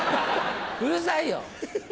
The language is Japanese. うるさいよ！